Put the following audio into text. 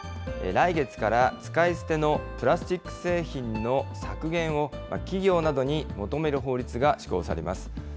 来月から使い捨てのプラスチック製品の削減を企業などに求める法律が施行されます。